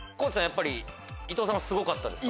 やっぱり伊藤さんはすごかったですか？